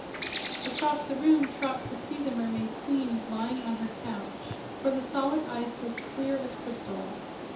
Across the room Trot could see the mermaid queen lying on her couch, for the solid ice was clear as crystal.